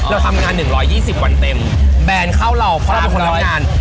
เราทำงานหนึ่งร้อยยี่สิบวันเต็มแบรนด์เข้าเราเพราะเราเป็นคนทำงาน